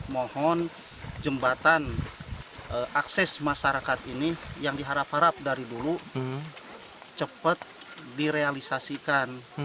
mohon jembatan akses masyarakat ini yang diharap harap dari dulu cepat direalisasikan